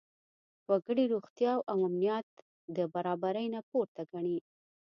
وګړي روغتیا او امنیت د برابرۍ نه پورته ګڼي.